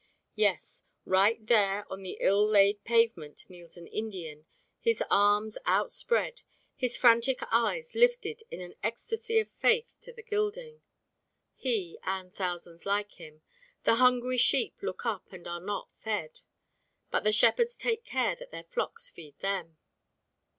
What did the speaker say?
Yes, right there on the ill laid pavement kneels an Indian his arms outspread, his fanatic eyes lifted in an ecstasy of faith to the gilding. He and thousands like him "the hungry sheep, look up and are not fed"; but the shepherds take care that the flocks feed them.